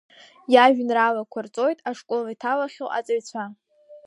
Иажәеинраалақәа рҵоит ашкол иҭалахьоу аҵаҩцәа.